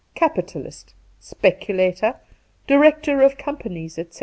capitalist, speculator, director of companies, etc.